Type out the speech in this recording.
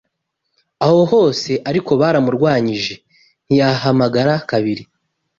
Aho hose ariko baramurwanyije ntiyahamara kabiri